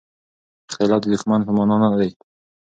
اختلاف د دښمنۍ په مانا نه دی.